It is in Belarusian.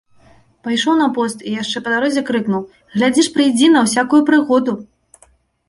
Пайшоў на пост і яшчэ па дарозе крыкнуў: «Глядзі ж прыйдзі на ўсякую прыгоду!»